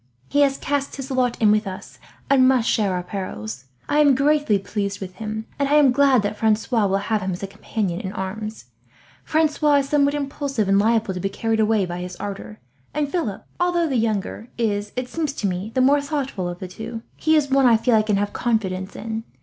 He has cast his lot in with us, and must share our perils. I am greatly pleased with him, and I am glad that Francois will have him as a companion in arms. Francois is somewhat impulsive, and liable to be carried away by his ardour; and Philip, although the younger, is, it seems to me, the more thoughtful of the two. He is one I feel I can have confidence in.